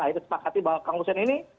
akhirnya sepakat bahwa kang hussein ini